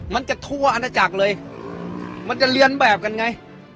มันจะทั่วอาณาจักรเลยมันจะเรียนแบบกันไง